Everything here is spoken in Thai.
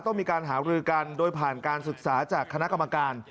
ต้องมีการหารือกันโดยผ่านการศึกษาจากคณะกรรมการ